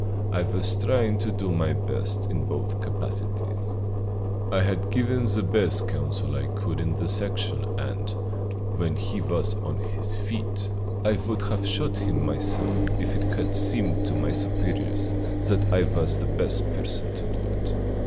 I was trying to do my best in both capacities. I had given the best counsel I could in the Section and, when he was on his feet, I would have shot him myself if it had seemed to my superiors that I was the best person to do it.